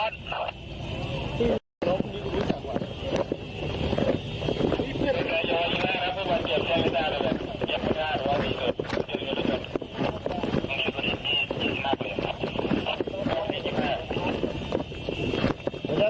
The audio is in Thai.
ดูไหม